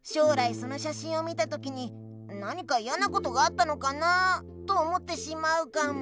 そのしゃしんを見た時に何かいやなことがあったのかなと思ってしまうかも。